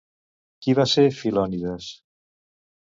Qui va ser Filonides?